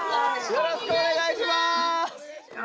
よろしくお願いします！